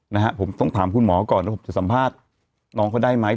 นะฮะผมต้องถามคุณหมอก่อนว่าผมจะสัมภาษณ์น้องเขาได้ไหม